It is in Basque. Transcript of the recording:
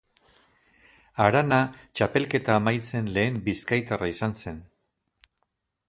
Arana txapelketa amaitzen lehen bizkaitarra izan zen.